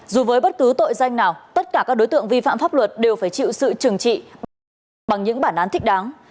dù với bất cứ tội danh nào tất cả các đối tượng vi phạm pháp luật đều phải chịu sự trừng trị bằng những bản án thích đáng